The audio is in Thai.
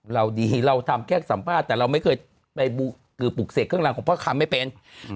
เราดีเราทำแค่สัมภาษณ์แต่เราไม่เคยไปคือปลูกเสกเครื่องรางของพ่อคำไม่เป็น